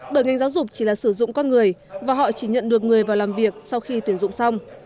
bởi ngành giáo dục chỉ là sử dụng con người và họ chỉ nhận được người vào làm việc sau khi tuyển dụng xong